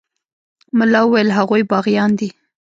ملا وويل هغوى باغيان دي.